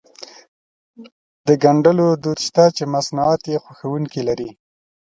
د ګنډلو دود شته چې مصنوعات يې خوښوونکي لري.